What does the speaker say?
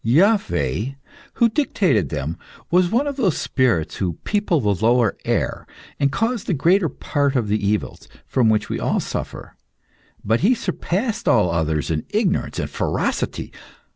Iaveh, who dictated them, was one of those spirits who people the lower air, and cause the greater part of the evils, from which we suffer; but he surpassed all the others in ignorance and ferocity.